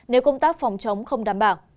nếu công tác phòng chống không đảm bảo